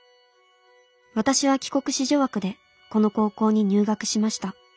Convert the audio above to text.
私は帰国子女枠でこの高校に入学しました。